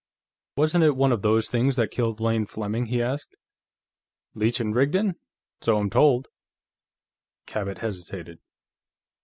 "Wasn't it one of those things that killed Lane Fleming?" he asked. "Leech & Rigdon? So I'm told." Cabot hesitated.